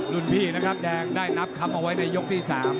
รุ่นพี่นะครับแดงได้นับคำเอาไว้ในยกที่๓